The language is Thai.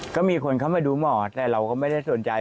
ก็มีคนเข้ามาดูหมอแต่เราก็ไม่ได้สนใจ